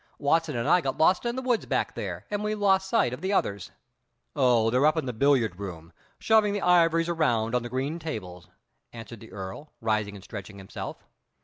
Watson and I got lost in the woods back there, and we lost sight of the others." "Oh, they're up in the billiard room, shoving the ivories around on the green tables," answered the Earl, rising and stretching himself.